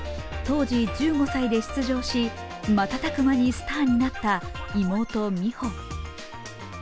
当時１５歳で出場し瞬く間にスターになった妹・美帆。